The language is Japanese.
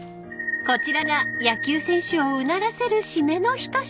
［こちらが野球選手をうならせる］